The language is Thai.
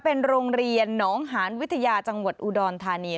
เป็นโรงเรียนหนองหานวิทยาจังหวัดอุดรธานี